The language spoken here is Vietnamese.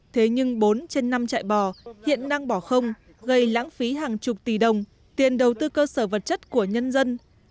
thế nhưng bốn trên năm chạy bò hiện đang bỏ không gây lãng phí hàng chục tỷ đồng tiền đầu tư cơ sở vật chất của nhân dân